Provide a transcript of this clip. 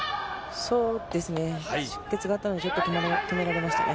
そうですね、出血があったので止められましたね。